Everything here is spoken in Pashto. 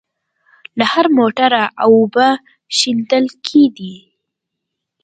له هره موټره اوبه شېندل کېدې.